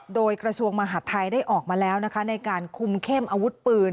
โดยกระทรวงมหาดไทยได้ออกมาแล้วนะคะในการคุมเข้มอาวุธปืน